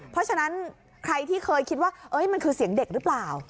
เพราะฉะนั้นใครที่เคยคิดว่ามันคือเสียงเด็กหรือเปล่า